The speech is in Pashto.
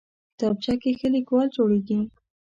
کتابچه کې ښه لیکوال جوړېږي